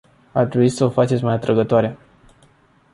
Ar trebui să o faceți mai atrăgătoare.